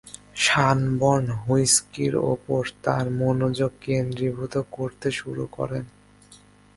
সানবর্ন হুইস্কির উপর তার মনোযোগ কেন্দ্রীভূত করতে শুরু করেন।